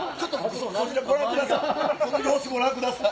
その様子ご覧ください。